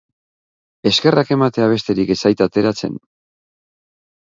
Eskerrak ematea besterik ez zait ateratzen.